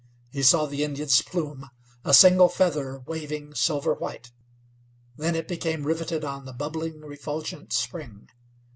He saw the Indian's plume, a single feather waving silver white. Then it became riveted on the bubbling, refulgent spring.